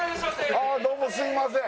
ああどうもすいません